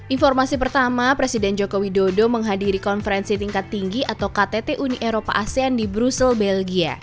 informasi pertama presiden jokowi dodo menghadiri konferensi tingkat tinggi atau ktt uni eropa asean di brussel belgia